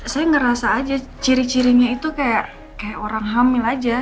saya ngerasa aja ciri cirinya itu kayak orang hamil aja